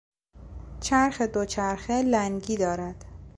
چرخ دوچرخه لنگی دارد.